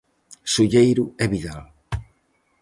Solleiro e Vidal.